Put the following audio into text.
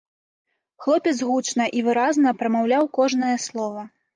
Хлопец гучна і выразна прамаўляў кожнае слова.